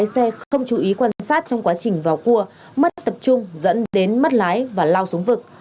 xe không chú ý quan sát trong quá trình vào cua mất tập trung dẫn đến mất lái và lao xuống vực